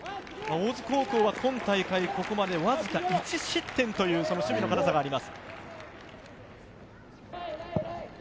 大津高校は今大会、ここまでわずか１失点という守備の堅さがあります。